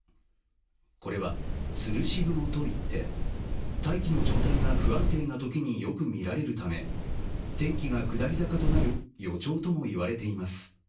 これは、つるし雲といって大気の状態が不安定なときによく見られるため天気が下り坂となる予兆ともいわれています。